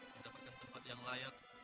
mendapatkan tempat yang layak